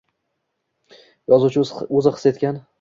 Yozuvchi o’zi his qilgan